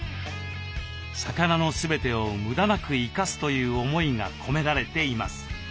魚の全てを無駄なく生かすという思いが込められています。